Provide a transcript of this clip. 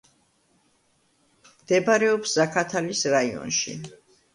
მდებარეობს ზაქათალის რაიონში.